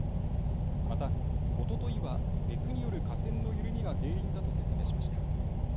またおとといは熱による架線の緩みが原因だと説明しました。